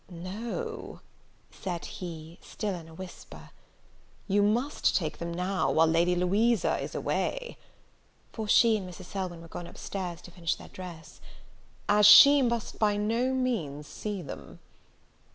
"No," said he, still in a whisper, "you must take them now, while Lady Louisa is away;" for she and Mrs. Selwyn were gone up stairs to finish their dress, "as she must by no means see them."